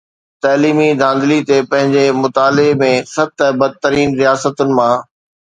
تعليمي ڌانڌلي تي پنهنجي مطالعي ۾ ست بدترين رياستن مان